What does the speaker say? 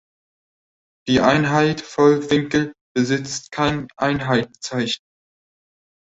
Die Einheit Vollwinkel besitzt kein Einheitenzeichen.